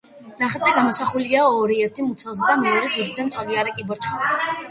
ნახატზე გამოსახულია ორი, ერთი მუცელზე და მეორე ზურგზე მწოლიარე კიბორჩხალა.